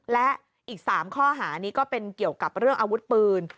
และอีก๓ข้อหานี้ก็เป็นเกี่ยวกับเรื่องอาวุธปืน